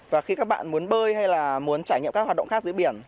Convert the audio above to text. và khi các bạn muốn bơi hay là muốn trải nghiệm các hoạt động khác dưới biển